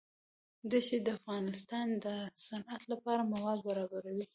دښتې د افغانستان د صنعت لپاره مواد برابروي.